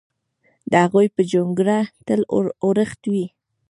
د هغوی پر جونګړه تل اورښت وي!